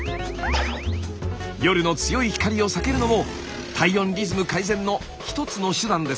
夜の強い光を避けるのも体温リズム改善の一つの手段ですよ！